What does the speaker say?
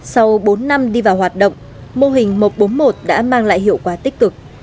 sau bốn năm đi vào hoạt động mô hình một trăm bốn mươi một đã mang lại hiệu quả tích cực